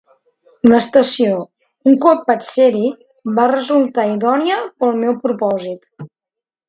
L'estació, un cop vaig ser-hi, va resultar idònia per al meu propòsit.